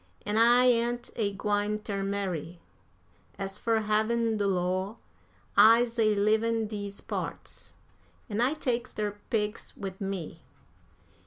An' I ain't a gwine ter marry. As fur havin' de law, I's a leavin' dese parts, an' I takes der pigs wid me.